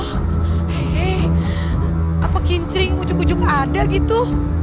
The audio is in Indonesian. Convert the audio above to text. hei apa kincring ujung ujung ada gitu